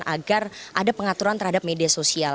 agar ada pengaturan terhadap media sosial